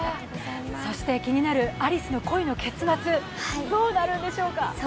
そして気になる有栖の恋の結末、どうなるんでしょうか。